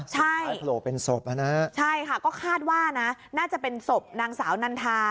สุดท้ายโผล่เป็นศพแล้วค่ะใช่ค่ะก็คาดว่าน่าจะเป็นศพนางสาวนั้นทา